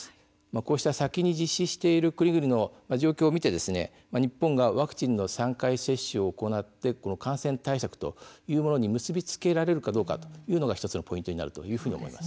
こうした先に実施している国々の状況を見て、日本はワクチンの３回接種を行って感染対策というものに結び付けられるかどうかというのが１つのポイントになると思います。